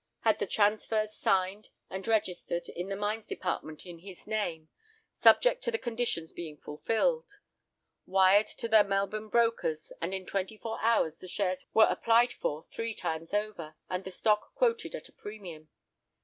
Had the transfers signed and registered in the Mines Department in his name, subject to the conditions being fulfilled. Wired to their Melbourne brokers, and in twenty four hours the shares were applied for three times over, and the stock quoted at a premium.